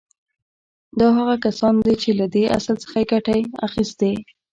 دا هغه کسان دي چې له دې اصل څخه يې ګټه اخيستې.